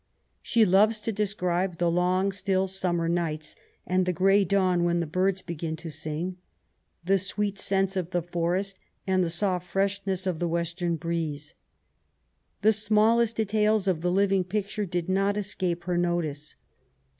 She loves to describe the long still summer nights and the grey dawn when the birds begin to sing, the sweet scents of the forest, and the soft fireshness of the western breeze. The smallest details of the living picture did not escape her notice.